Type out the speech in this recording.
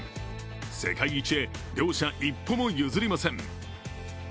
世界一へ、両者一歩も譲りません。